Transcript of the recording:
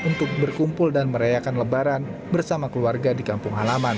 untuk berkumpul dan merayakan lebaran bersama keluarga di kampung halaman